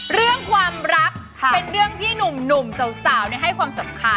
เรื่องความรักเป็นเรื่องที่หนุ่มสาวให้ความสำคัญ